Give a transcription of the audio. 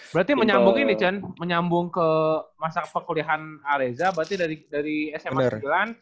berarti menyambungin nih cian menyambung ke masa pekuliahan areza berarti dari sma sembilan